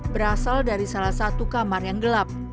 berasal dari salah satu kamar yang gelap